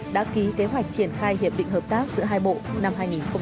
đã ký kế hoạch triển khai hiệp định hợp tác giữa hai bộ năm hai nghìn hai mươi